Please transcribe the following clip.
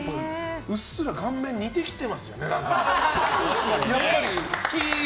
うっすら顔面似てきてますよね。